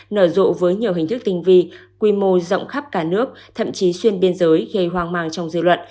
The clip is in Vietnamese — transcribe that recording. nở rộ với nhiều hình thức tinh vi quy mô rộng khắp cả nước thậm chí xuyên biên giới gây hoang mang trong dư luận